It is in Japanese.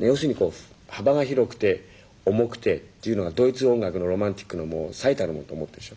要するにていうのがドイツ音楽のロマンチックの最たるものと思ってるでしょ。